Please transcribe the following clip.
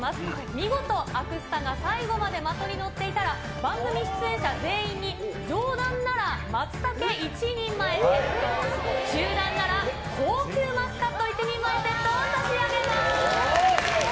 見事、アクスタが最後まで的に乗っていたら、番組出演者全員に、上段ならマツタケ１人前セットを、中段なら高級マスカット１人前セットを差し上げます。